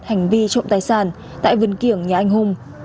hành vi trộm tài sản tại vườn kiểng nhà anh hùng